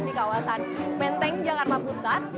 di kawasan menteng jakarta pusat